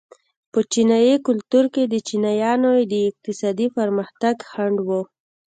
په چینايي کلتور کې د چینایانو د اقتصادي پرمختګ خنډ و.